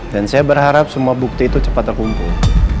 dan saya berharap semua bukti itu cepat terkumpul